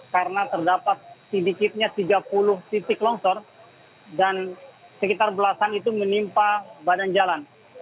karena terdapat sedikitnya tiga puluh titik longsor dan sekitar belasan itu menimpa badan jalan